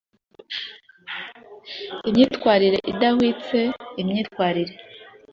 Imyitwarire idahwitse yimyitwarire